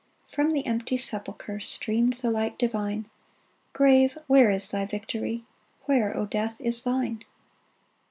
From the empty sepulchre Streamed the Light Divine ; Grave where is thy victory ? Where, O Death, is thine